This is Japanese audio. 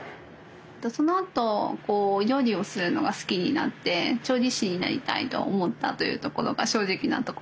そのあと料理をするのが好きになって調理師になりたいと思ったというところが正直なところですね。